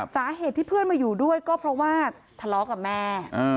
สาเหตุที่เพื่อนมาอยู่ด้วยก็เพราะว่าทะเลาะกับแม่